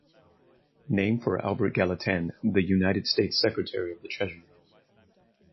Name for Albert Gallatin the United States Secretary of the Treasury.